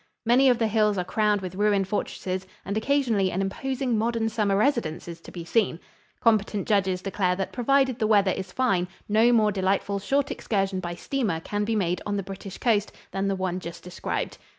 Many of the hills are crowned with ruined fortresses and occasionally an imposing modern summer residence is to be seen. Competent judges declare that provided the weather is fine no more delightful short excursion by steamer can be made on the British coast than the one just described.